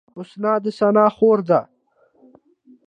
حسنا د ثنا خور ده